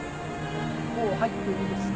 もう入っていいですか？